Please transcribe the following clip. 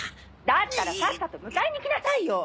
だったらさっさと迎えに来なさいよ！